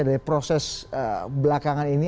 dari proses belakangan ini